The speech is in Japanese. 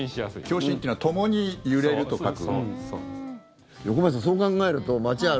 共振というのは共に揺れると書く。